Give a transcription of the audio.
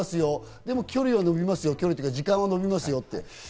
でも距離は延びますよ、距離というか時間が延びますよって。